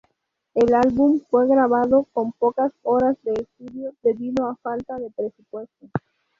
El álbum fue grabado con pocas horas de estudio, debido a falta de presupuesto.